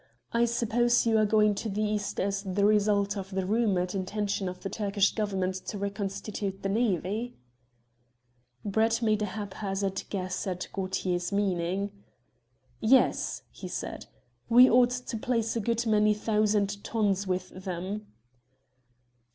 I suppose you are going to the East as the result of the rumoured intention of the Turkish Government to reconstitute the navy." Brett made a haphazard guess at Gaultier's meaning. "Yes," he said, "we ought to place a good many thousand tons with them."